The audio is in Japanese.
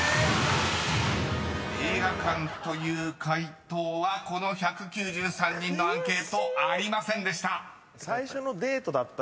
［「映画館」という回答はこの１９３人のアンケートありませんでした］